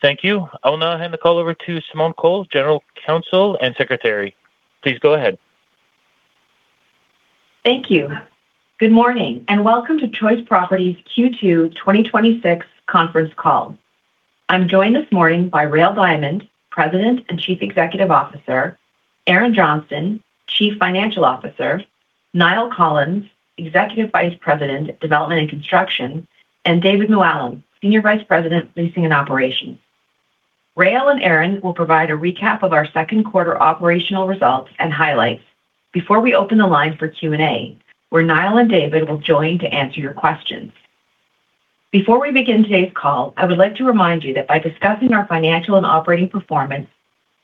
Thank you. I will now hand the call over to Simone Cole, General Counsel and Secretary. Please go ahead. Thank you. Good morning, welcome to Choice Properties Q2 2026 conference call. I am joined this morning by Rael Diamond, President and Chief Executive Officer, Erin Johnston, Chief Financial Officer, Niall Collins, Executive Vice President of Development and Construction, and David Muallim, Senior Vice President, Leasing and Operations. Rael and Erin will provide a recap of our second quarter operational results and highlights before we open the line for Q&A, where Niall and David will join to answer your questions. Before we begin today's call, I would like to remind you that by discussing our financial and operating performance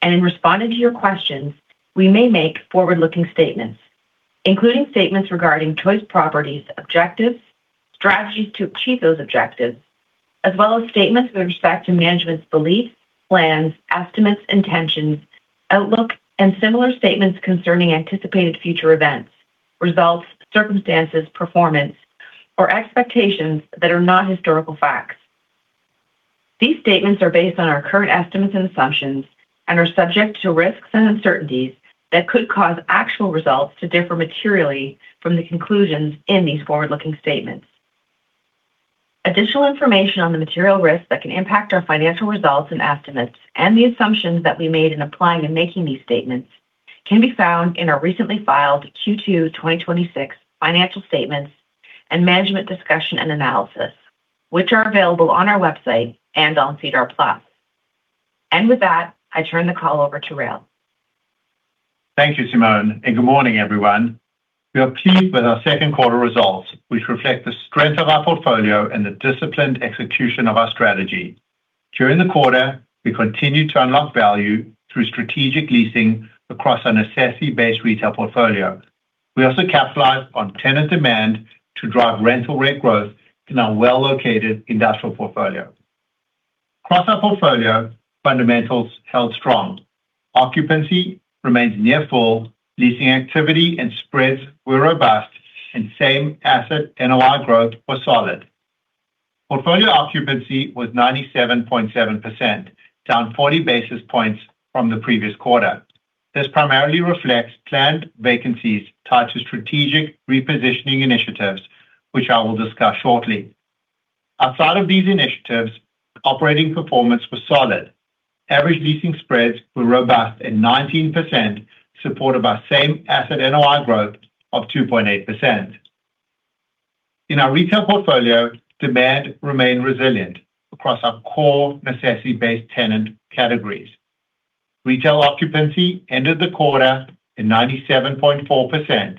in responding to your questions, we may make forward-looking statements, including statements regarding Choice Properties objectives, strategies to achieve those objectives. As well as statements with respect to management's beliefs, plans, estimates, intentions, outlook, similar statements concerning anticipated future events, results, circumstances, performance, or expectations that are not historical facts. These statements are based on our current estimates and assumptions are subject to risks and uncertainties that could cause actual results to differ materially from the conclusions in these forward-looking statements. Additional information on the material risks that can impact our financial results estimates and the assumptions that we made in applying making these statements can be found in our recently filed Q2 2026 financial statements and management discussion and analysis, which are available on our website and on SEDAR+. With that, I turn the call over to Rael. Thank you, Simone, and good morning, everyone. We are pleased with our second quarter results, which reflect the strength of our portfolio and the disciplined execution of our strategy. During the quarter, we continued to unlock value through strategic leasing across our necessity-based retail portfolio. We also capitalized on tenant demand to drive rental rate growth in our well-located industrial portfolio. Across our portfolio, fundamentals held strong. Occupancy remains near full, leasing activity and spreads were robust, and same asset NOI growth was solid. Portfolio occupancy was 97.7%, down 40 basis points from the previous quarter. This primarily reflects planned vacancies tied to strategic repositioning initiatives, which I will discuss shortly. Outside of these initiatives, operating performance was solid. Average leasing spreads were robust at 19%, supported by same asset NOI growth of 2.8%. In our retail portfolio, demand remained resilient across our core necessity-based tenant categories. Retail occupancy ended the quarter at 97.4%.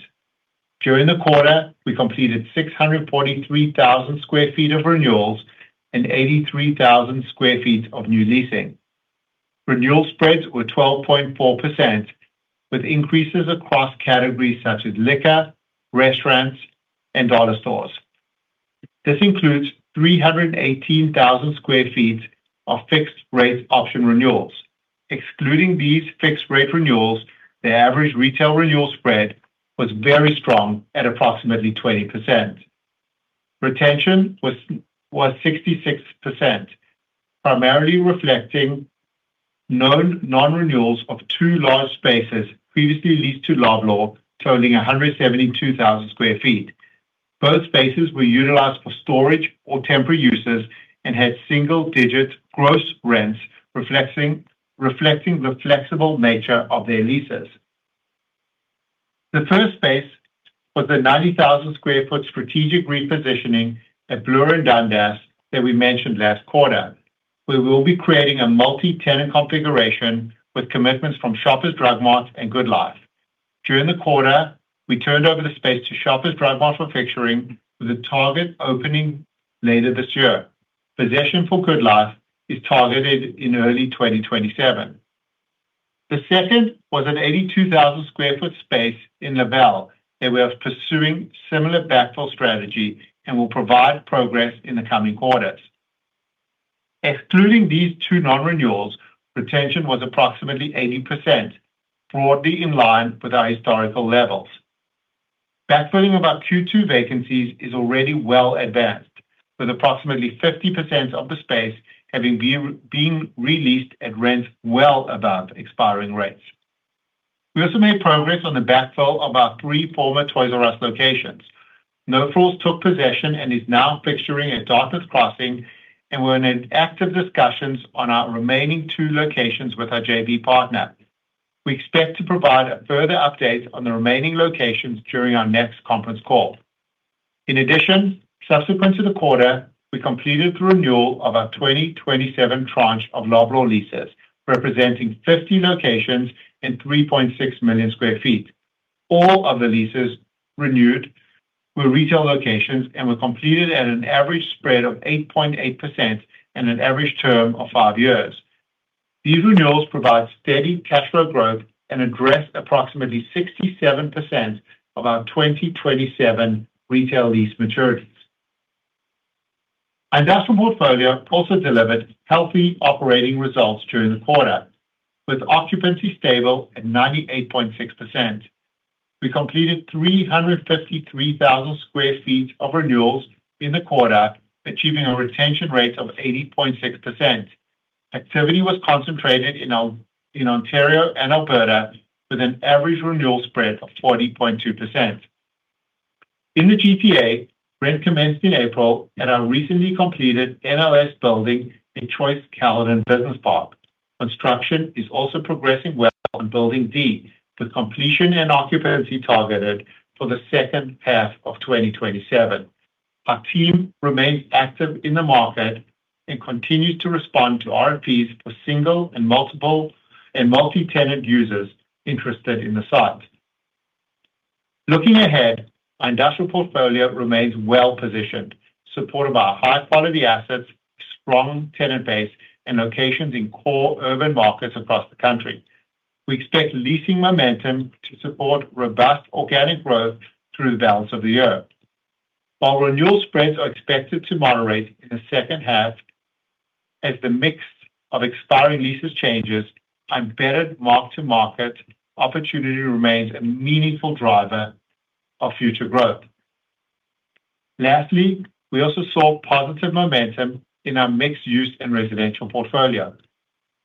During the quarter, we completed 643,000 sq ft of renewals and 83,000 sq ft of new leasing. Renewal spreads were 12.4%, with increases across categories such as liquor, restaurants, and dollar stores. This includes 318,000 sq ft of fixed rate option renewals. Excluding these fixed rate renewals, the average retail renewal spread was very strong at approximately 20%. Retention was 66%, primarily reflecting known non-renewals of two large spaces previously leased to Loblaw, totaling 172,000 sq ft. Both spaces were utilized for storage or temporary uses and had single-digit gross rents reflecting the flexible nature of their leases. The first space was a 90,000 sq ft strategic repositioning at Bloor and Dundas that we mentioned last quarter. We will be creating a multi-tenant configuration with commitments from Shoppers Drug Mart and GoodLife. During the quarter, we turned over the space to Shoppers Drug Mart for fixturing, with a target opening later this year. Possession for GoodLife is targeted in early 2027. The second was an 82,000 sq ft space in Laval that we are pursuing similar backfill strategy and will provide progress in the coming quarters. Excluding these two non-renewals, retention was approximately 80%, broadly in line with our historical levels. Backfilling of our Q2 vacancies is already well advanced, with approximately 50% of the space having been re-leased at rents well above expiring rates. We also made progress on the backfill of our three former Toys R Us locations. No Frills took possession and is now fixturing at Don Mills Crossing, and we're in active discussions on our remaining two locations with our JV partner. We expect to provide a further update on the remaining locations during our next conference call. In addition, subsequent to the quarter, we completed the renewal of our 2027 tranche of Loblaw leases, representing 50 locations and 3.6 million sq ft. All of the leases renewed were retail locations and were completed at an average spread of 8.8% and an average term of five years. These renewals provide steady cash flow growth and address approximately 67% of our 2027 retail lease maturities. Industrial portfolio also delivered healthy operating results during the quarter, with occupancy stable at 98.6%. We completed 353,000 sq ft of renewals in the quarter, achieving a retention rate of 80.6%. Activity was concentrated in Ontario and Alberta with an average renewal spread of 40.2%. In the GTA, rent commenced in April at our recently completed National Logistics Services building in Choice Caledon Business Park. Construction is also progressing well on Building D, with completion and occupancy targeted for the second half of 2027. Our team remains active in the market and continues to respond to RFPs for single and multiple and multi-tenant users interested in the site. Looking ahead, our industrial portfolio remains well-positioned, supported by high-quality assets, a strong tenant base, and locations in core urban markets across the country. We expect leasing momentum to support robust organic growth through the balance of the year. While renewal spreads are expected to moderate in the second half as the mix of expiring leases changes, our better mark-to-market opportunity remains a meaningful driver of future growth. We also saw positive momentum in our mixed-use and residential portfolio.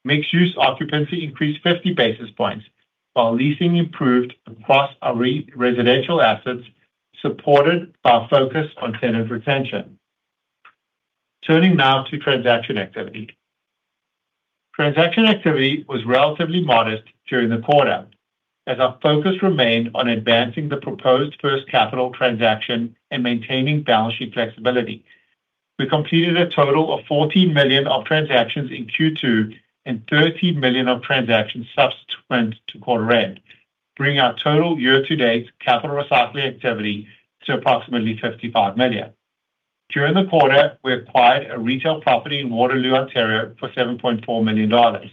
Mixed-use occupancy increased 50 basis points, while leasing improved across our residential assets, supported by a focus on tenant retention. Turning now to transaction activity. Transaction activity was relatively modest during the quarter, as our focus remained on advancing the proposed First Capital transaction and maintaining balance sheet flexibility. We completed a total of 14 million of transactions in Q2 and 13 million of transactions subsequent to quarter end, bringing our total year-to-date capital recycling activity to approximately 55 million. During the quarter, we acquired a retail property in Waterloo, Ontario, for 7.4 million dollars.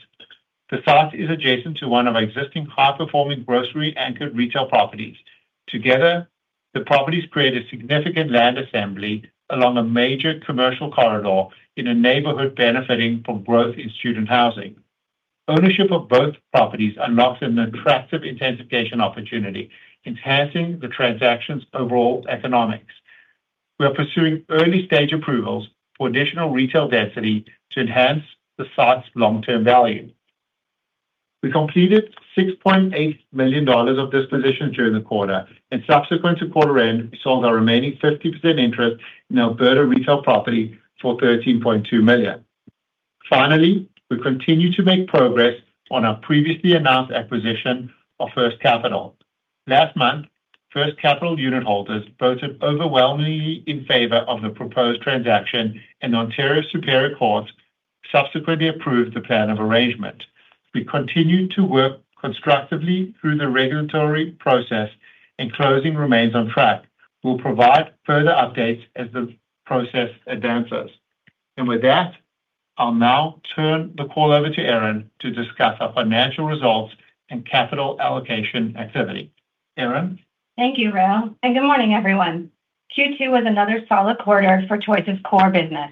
The site is adjacent to one of our existing high-performing grocery-anchored retail properties. Together, the properties create a significant land assembly along a major commercial corridor in a neighborhood benefiting from growth in student housing. Ownership of both properties unlocks an attractive intensification opportunity, enhancing the transaction's overall economics. We are pursuing early-stage approvals for additional retail density to enhance the site's long-term value. We completed 6.8 million dollars of dispositions during the quarter. Subsequent to quarter end, we sold our remaining 50% interest in Alberta retail property for 13.2 million. We continue to make progress on our previously announced acquisition of First Capital. Last month, First Capital unitholders voted overwhelmingly in favor of the proposed transaction. The Ontario Superior Court subsequently approved the plan of arrangement. We continue to work constructively through the regulatory process. Closing remains on track. We'll provide further updates as the process advances. With that, I'll now turn the call over to Erin to discuss our financial results and capital allocation activity. Erin? Thank you, Rael. Good morning, everyone. Q2 was another solid quarter for Choice's core business.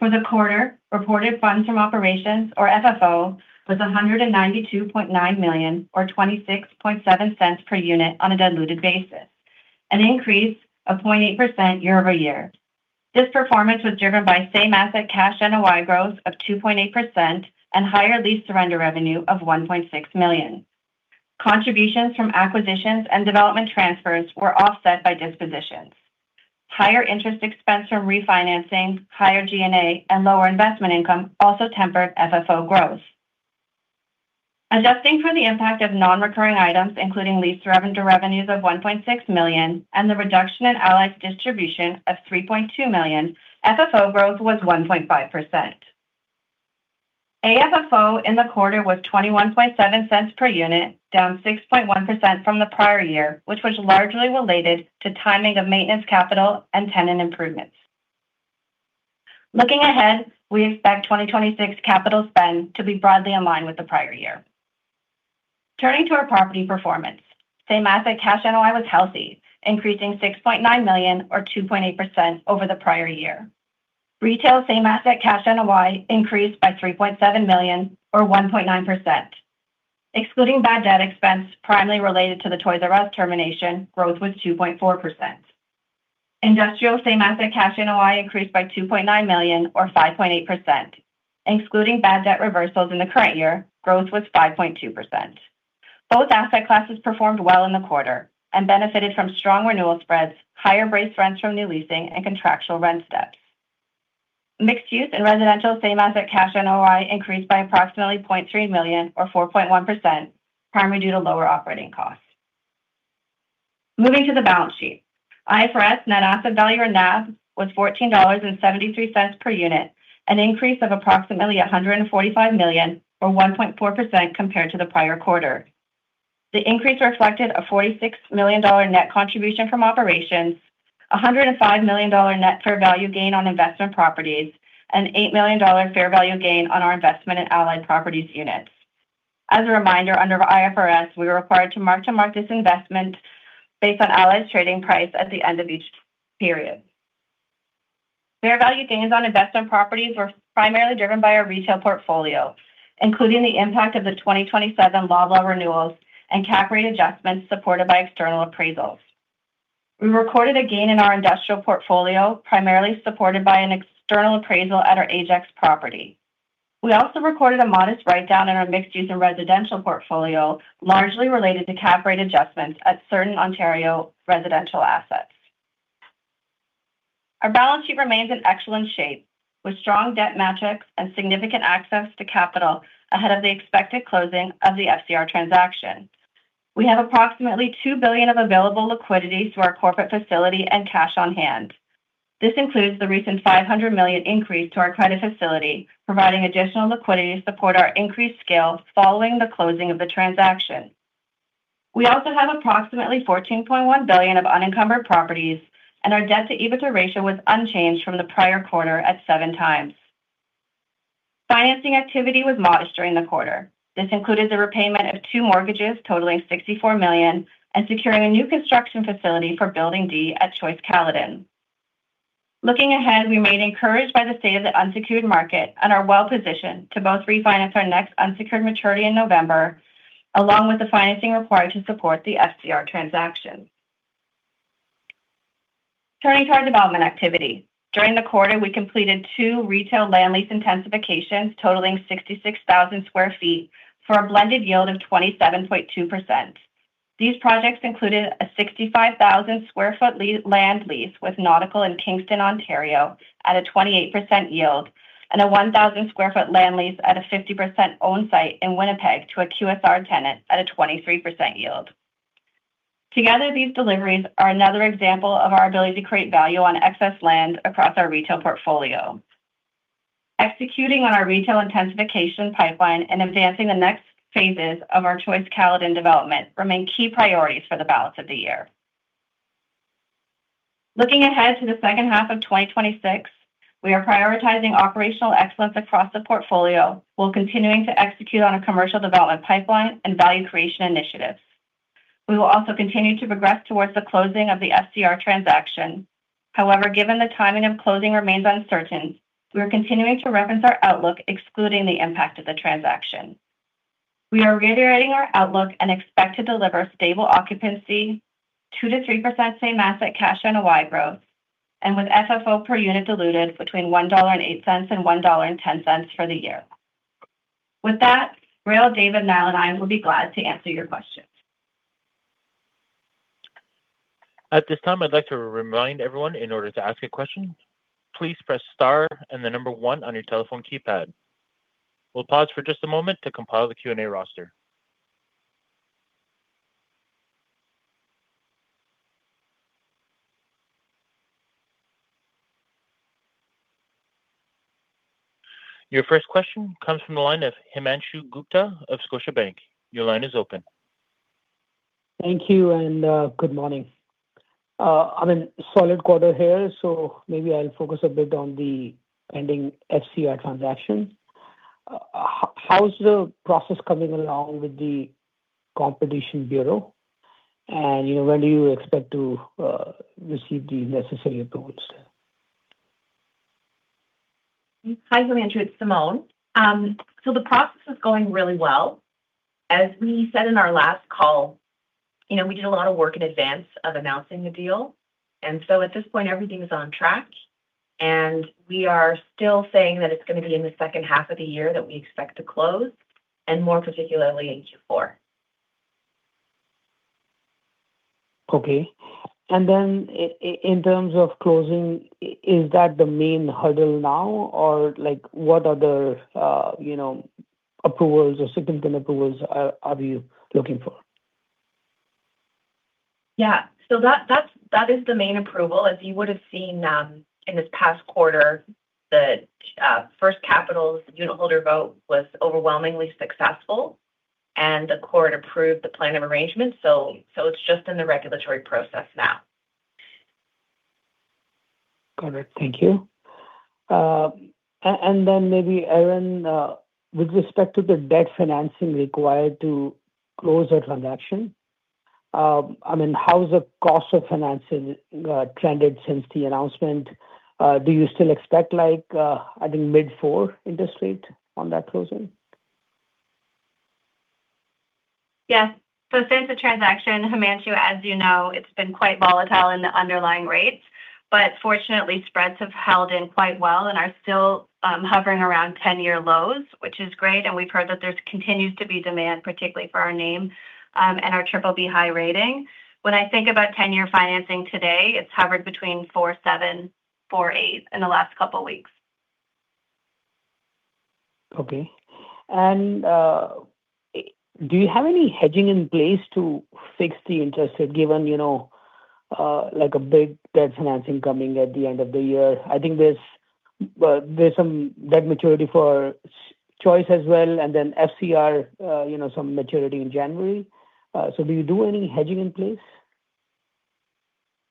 For the quarter, reported funds from operations or FFO was 192.9 million or 0.267 per unit on a diluted basis, an increase of 0.8% year-over-year. This performance was driven by same-asset cash NOI growth of 2.8% and higher lease surrender revenue of 1.6 million. Contributions from acquisitions and development transfers were offset by dispositions. Higher interest expense from refinancing, higher G&A, and lower investment income also tempered FFO growth. Adjusting for the impact of non-recurring items, including lease surrender revenues of 1.6 million and the reduction in Allied's distribution of 3.2 million, FFO growth was 1.5%. AFFO in the quarter was 0.217 per unit, down 6.1% from the prior year, which was largely related to timing of maintenance capital and tenant improvements. Looking ahead, we expect 2026 capital spend to be broadly in line with the prior year. Turning to our property performance. Same asset cash NOI was healthy, increasing 6.9 million or 2.8% over the prior year. Retail same asset cash NOI increased by 3.7 million or 1.9%. Excluding bad debt expense primarily related to the Toys R Us termination, growth was 2.4%. Industrial same asset cash NOI increased by 2.9 million or 5.8%, excluding bad debt reversals in the current year, growth was 5.2%. Both asset classes performed well in the quarter and benefited from strong renewal spreads, higher base rents from new leasing, and contractual rent steps. Mixed-use and residential same asset cash NOI increased by approximately 0.3 million or 4.1%, primarily due to lower operating costs. Moving to the balance sheet. IFRS net asset value or NAV was 14.73 dollars per unit, an increase of approximately 145 million or 1.4% compared to the prior quarter. The increase reflected a 46 million dollar net contribution from operations, 105 million dollar net fair value gain on investment properties, and 8 million dollar fair value gain on our investment in Allied Properties units. As a reminder, under IFRS, we are required to mark-to-market this investment based on Allied's trading price at the end of each period. Fair value gains on investment properties were primarily driven by our retail portfolio, including the impact of the 2027 renewals and cap rate adjustments supported by external appraisals. We recorded a gain in our industrial portfolio, primarily supported by an external appraisal at our Ajax property. We also recorded a modest write-down in our mixed-use and residential portfolio, largely related to cap rate adjustments at certain Ontario residential assets. Our balance sheet remains in excellent shape with strong debt metrics and significant access to capital ahead of the expected closing of the FCR transaction. We have approximately 2 billion of available liquidity through our corporate facility and cash on hand. This includes the recent 500 million increase to our credit facility, providing additional liquidity to support our increased scale following the closing of the transaction. We also have approximately 14.1 billion of unencumbered properties, and our debt to EBITDA ratio was unchanged from the prior quarter at seven times. Financing activity was modest during the quarter. This included the repayment of two mortgages totaling 64 million and securing a new construction facility for Building D at Choice Caledon. Looking ahead, we remain encouraged by the state of the unsecured market and are well-positioned to both refinance our next unsecured maturity in November, along with the financing required to support the FCR transaction. Turning to our development activity. During the quarter, we completed two retail land lease intensifications totaling 66,000 sq ft for a blended yield of 27.2%. These projects included a 65,000 sq ft land lease with Nautical in Kingston, Ontario at a 28% yield and a 1,000 sq ft land lease at a 50% owned site in Winnipeg to a QSR tenant at a 23% yield. Together, these deliveries are another example of our ability to create value on excess land across our retail portfolio. Executing on our retail intensification pipeline and advancing the next phases of our Choice Caledon development remain key priorities for the balance of the year. Looking ahead to the second half of 2026, we are prioritizing operational excellence across the portfolio, while continuing to execute on a commercial development pipeline and value creation initiatives. We will also continue to progress towards the closing of the FCR transaction. However, given the timing of closing remains uncertain, we are continuing to reference our outlook excluding the impact of the transaction. We are reiterating our outlook and expect to deliver stable occupancy, 2%-3% same asset cash NOI growth, and with FFO per unit diluted between 1.08 dollar and 1.10 dollar for the year. With that, Rael, David, and Niall and I will be glad to answer your questions. At this time, I'd like to remind everyone, in order to ask a question, please press star and the number one on your telephone keypad. We will pause for just a moment to compile the Q&A roster. Your first question comes from the line of Himanshu Gupta of Scotiabank. Your line is open. Thank you, good morning. I mean solid quarter here, maybe I will focus a bit on the pending FCR transaction. How is the process coming along with the Competition Bureau? When do you expect to receive the necessary approvals? Hi, Himanshu. It is Simone. The process is going really well. As we said in our last call, we did a lot of work in advance of announcing the deal. At this point, everything is on track, we are still saying that it is going to be in the second half of the year that we expect to close, more particularly in Q4. Then in terms of closing, is that the main hurdle now? Or what other approvals or significant approvals are you looking for? Yeah. That is the main approval. As you would have seen in this past quarter, the First Capital's unitholder vote was overwhelmingly successful, and the court approved the plan of arrangement. It's just in the regulatory process now. Got it. Thank you. Then maybe, Erin, with respect to the debt financing required to close the transaction, how has the cost of financing trended since the announcement? Do you still expect mid-4 interest rate on that closing? Yeah. Since the transaction, Himanshu, as you know, it's been quite volatile in the underlying rates. Fortunately, spreads have held in quite well and are still hovering around 10-year lows, which is great, and we've heard that there continues to be demand, particularly for our name, and our BBB high rating. When I think about 10-year financing today, it's hovered between 4.7, 4.8 in the last couple of weeks. Okay. Do you have any hedging in place to fix the interest rate, given a big debt financing coming at the end of the year? I think there's some debt maturity for Choice as well, then FCR, some maturity in January. Do you do any hedging in place?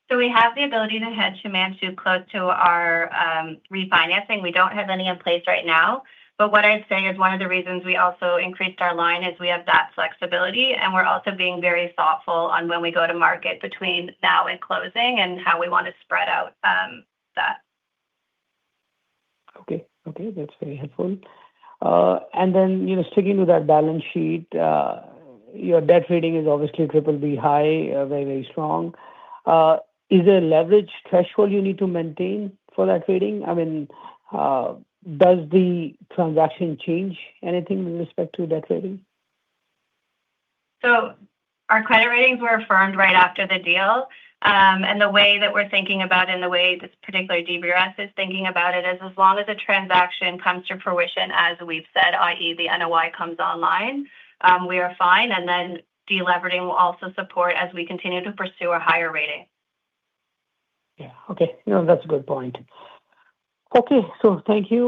We have the ability to hedge, Himanshu, close to our refinancing. We don't have any in place right now. What I'd say is one of the reasons we also increased our line is we have that flexibility, and we're also being very thoughtful on when we go to market between now and closing and how we want to spread out that. Okay. That's very helpful. Then, sticking with that balance sheet, your debt rating is obviously BBB high, very strong. Is there a leverage threshold you need to maintain for that rating? Does the transaction change anything with respect to that rating? Our credit ratings were affirmed right after the deal. The way that we're thinking about and the way this particular DBRS is thinking about it is as long as the transaction comes to fruition, as we've said, i.e., the NOI comes online, we are fine, and then de-leveraging will also support as we continue to pursue a higher rating. Yeah. Okay. No, that's a good point. Okay. Thank you.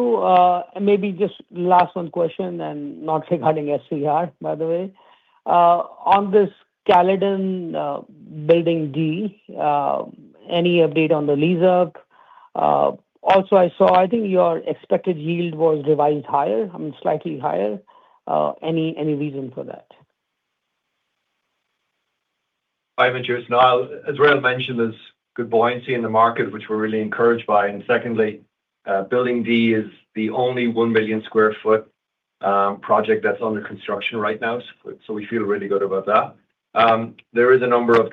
Maybe just last one question, not regarding FCR, by the way. On this Caledon Building D, any update on the lease-up? I also saw, I think your expected yield was revised higher, slightly higher. Any reason for that? Hi, Himanshu. It's Niall. As Rael mentioned, there's good buoyancy in the market, which we're really encouraged by. Secondly, Building D is the only 1 million square foot project that's under construction right now. We feel really good about that. There is a number of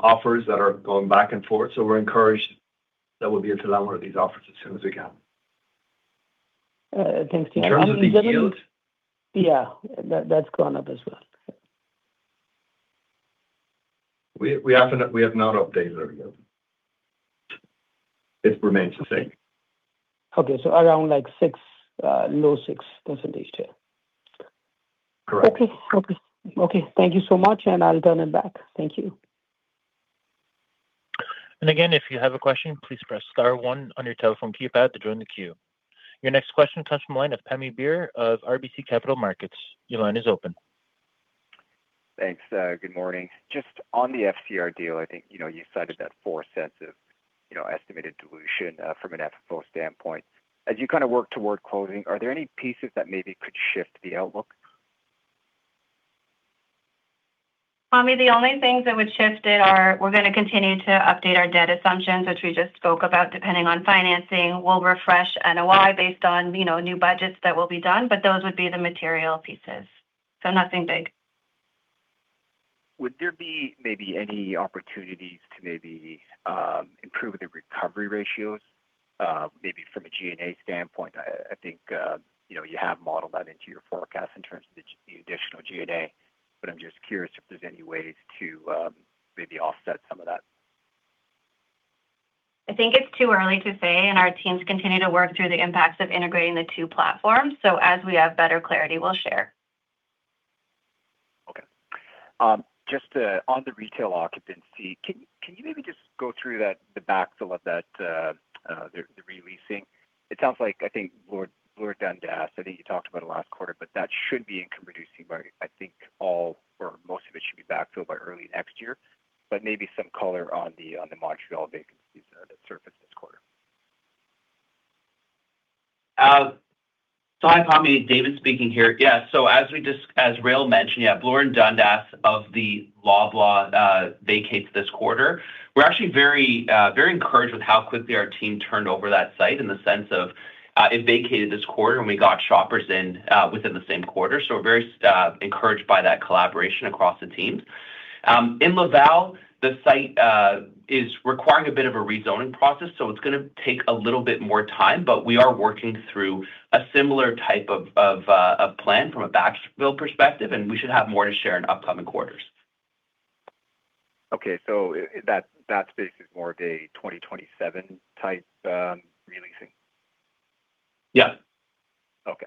offers that are going back and forth. We're encouraged that we'll be able to land one of these offers as soon as we can. Thanks. In terms of the yield. Yeah. That's gone up as well. We have not updated our yield. It remains the same. Okay. Around 6, low 6% here. Correct. Okay. Thank you so much. I'll turn it back. Thank you. If you have a question, please press star one on your telephone keypad to join the queue. Your next question comes from the line of Pammi Bir of RBC Capital Markets. Your line is open. Thanks. Good morning. Just on the FCR deal, I think you cited that 0.04 of estimated dilution from an FFO standpoint. As you kind of work toward closing, are there any pieces that maybe could shift the outlook? Pammi, the only things that would shift it are we're going to continue to update our debt assumptions, which we just spoke about. Depending on financing, we'll refresh NOI based on new budgets that will be done. Those would be the material pieces, nothing big. Would there be maybe any opportunities to maybe improve the recovery ratios, maybe from a G&A standpoint? I think you have modeled that into your forecast in terms of the additional G&A. I'm just curious if there's any ways to maybe offset some of that. I think it's too early to say, and our teams continue to work through the impacts of integrating the two platforms. As we have better clarity, we'll share. Okay. Just on the retail occupancy, can you maybe just go through the backfill of the re-leasing? It sounds like, I think Bloor Dundas, I think you talked about it last quarter, but that should be income producing by, I think all or most of it should be backfilled by early next year. Maybe some color on the Montreal vacancies that surfaced this quarter. Hi, Pammi. David speaking here. As Rael mentioned, Bloor and Dundas of the Loblaw vacates this quarter. We're actually very encouraged with how quickly our team turned over that site in the sense of it vacated this quarter, and we got Shoppers in within the same quarter. We're very encouraged by that collaboration across the teams. In Laval, the site is requiring a bit of a rezoning process, so it's going to take a little bit more time. We are working through a similar type of plan from a backfill perspective, and we should have more to share in upcoming quarters. Okay. That space is more of a 2027 type re-leasing? Yeah. Okay.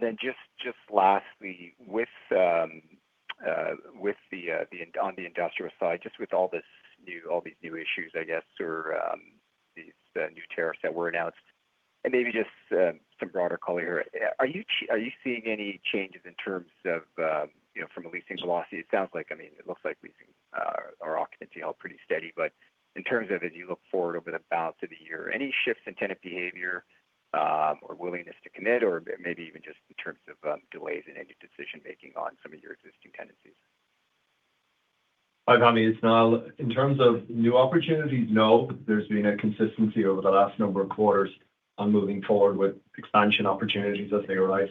Then just lastly, on the industrial side, just with all these new issues, I guess, or these new tariffs that were announced and maybe just some broader color here, are you seeing any changes in terms of from a leasing velocity? It looks like leasing or occupancy held pretty steady. In terms of as you look forward over the balance of the year, any shifts in tenant behavior or willingness to commit or maybe even just in terms of delays in any decision-making on some of your existing tenancies? Hi, Pammi. It's Niall. In terms of new opportunities, no. There's been a consistency over the last number of quarters on moving forward with expansion opportunities as they arise.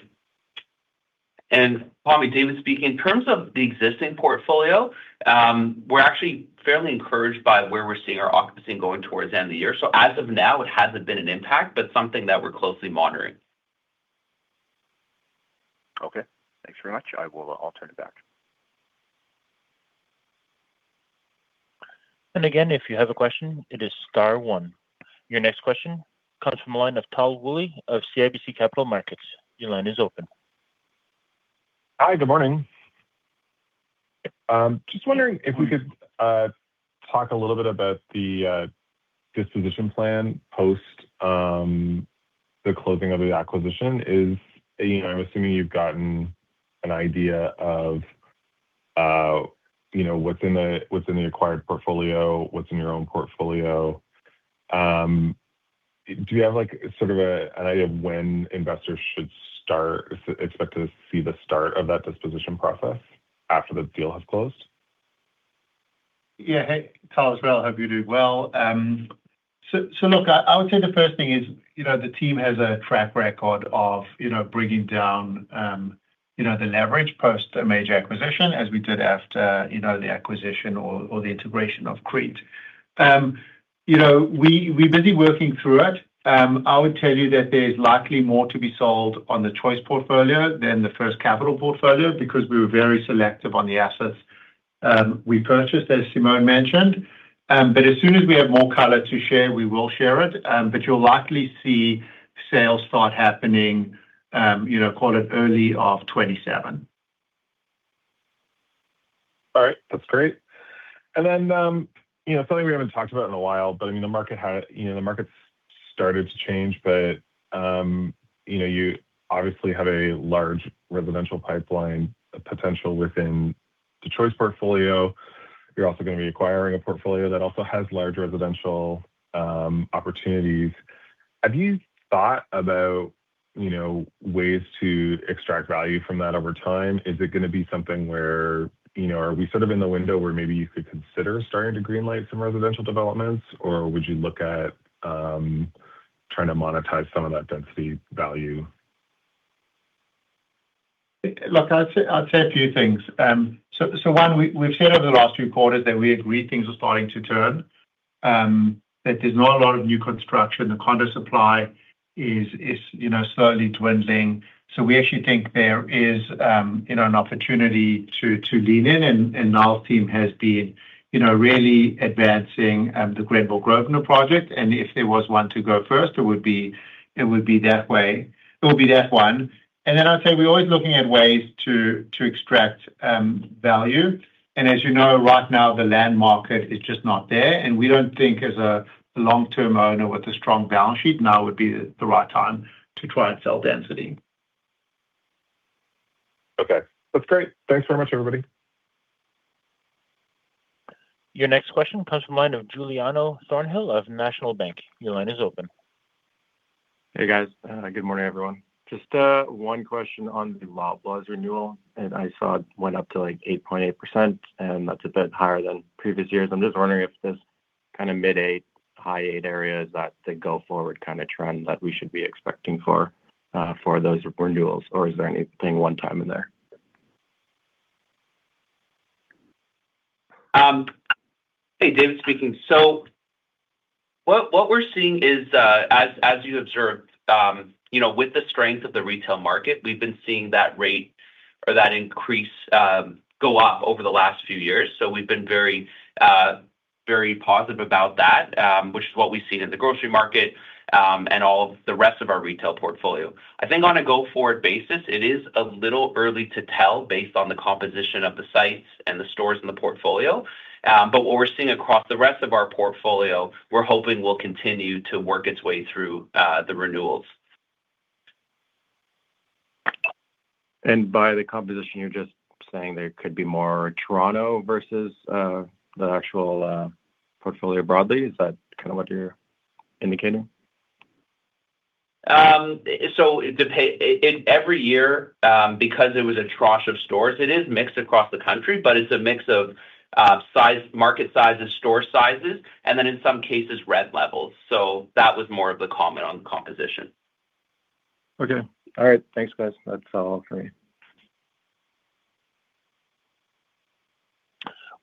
Pammi, David speaking. In terms of the existing portfolio, we're actually fairly encouraged by where we're seeing our occupancy going towards the end of the year. As of now, it hasn't been an impact, but something that we're closely monitoring. Okay. Thanks very much. I'll turn it back. Again, if you have a question, it is star one. Your next question comes from the line of Tal Woolley of CIBC Capital Markets. Your line is open. Hi. Good morning. Just wondering if we could talk a little bit about the disposition plan post the closing of the acquisition. I'm assuming you've gotten an idea of what's in the acquired portfolio, what's in your own portfolio. Do you have sort of an idea of when investors should expect to see the start of that disposition process after the deal has closed? Yeah. Hey, Tal as well. Hope you're doing well. Look, I would say the first thing is, the team has a track record of bringing down the leverage post a major acquisition, as we did after the acquisition or the integration of CREIT. We're busy working through it. I would tell you that there's likely more to be sold on the Choice portfolio than the First Capital portfolio because we were very selective on the assets we purchased, as Simone mentioned. As soon as we have more color to share, we will share it. You'll likely see sales start happening, call it early of 2027. All right. That's great. Something we haven't talked about in a while, but the market started to change, but you obviously have a large residential pipeline potential within the Choice portfolio. You're also going to be acquiring a portfolio that also has large residential opportunities. Have you thought about ways to extract value from that over time? Is it going to be something where, are we sort of in the window where maybe you could consider starting to green light some residential developments, or would you look at trying to monetize some of that density value? Look, I'll say a few things. One, we've said over the last few quarters that we agree things are starting to turn, that there's not a lot of new construction. The condo supply is slowly dwindling. We actually think there is an opportunity to lean in, and Niall's team has been really advancing the Grenville & Grosvenor project. If there was one to go first, it would be that one. Then I'd say we're always looking at ways to extract value. As you know, right now, the land market is just not there, and we don't think, as a long-term owner with a strong balance sheet, now would be the right time to try and sell density. Okay. That's great. Thanks very much, everybody. Your next question comes from the line of Giuliano Thornhill of National Bank. Your line is open. Hey, guys. Good morning, everyone. Just one question on the Loblaw's renewal, I saw it went up to 8.8%, that's a bit higher than previous years. I'm just wondering if this kind of mid-eight, high-eight area is that the go-forward kind of trend that we should be expecting for those renewals, or is there anything one time in there? Hey, David speaking. What we're seeing is, as you observed, with the strength of the retail market, we've been seeing that rate or that increase go up over the last few years. We've been very positive about that, which is what we've seen in the grocery market, and all of the rest of our retail portfolio. I think on a go-forward basis, it is a little early to tell based on the composition of the sites and the stores in the portfolio. What we're seeing across the rest of our portfolio, we're hoping will continue to work its way through the renewals. By the composition, you're just saying there could be more Toronto versus the actual portfolio broadly? Is that kind of what you're indicating? It depends. Every year, because it was a tranche of stores, it is mixed across the country, it's a mix of market sizes, store sizes, and then in some cases, rent levels. That was more of the comment on the composition. Okay. All right. Thanks, guys. That's all for me.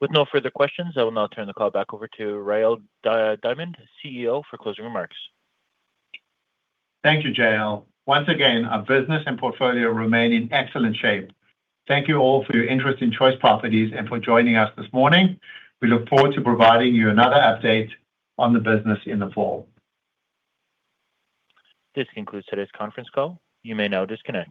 With no further questions, I will now turn the call back over to Rael Diamond, CEO, for closing remarks. Thank you, JL. Once again, our business and portfolio remain in excellent shape. Thank you all for your interest in Choice Properties and for joining us this morning. We look forward to providing you another update on the business in the fall. This concludes today's conference call. You may now disconnect.